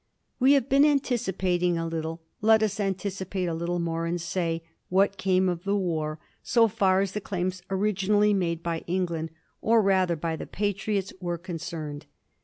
We have been anticipating a little; let us anticipate a little more and say what came of the war, so far as the claims originally made by England, or rather by the Pa triots, were concerned.